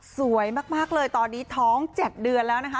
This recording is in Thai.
สวยมากเลยตอนนี้ท้อง๗เดือนแล้วนะคะ